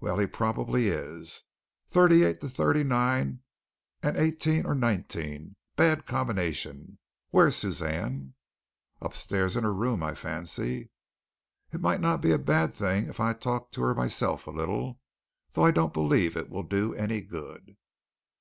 "Well, he probably is. Thirty eight to thirty nine and eighteen or nineteen bad combination. Where is Suzanne?" "Upstairs in her room, I fancy." "It might not be a bad thing if I talked to her myself a little, though I don't believe it will do any good."